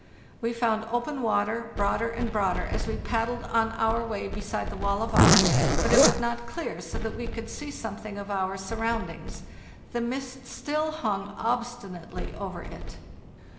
"We found open water, broader and broader, as we paddled on our way beside the wall of ice; but it would not clear so that we could see something of our surround ings. The mist still hung obstinately over it.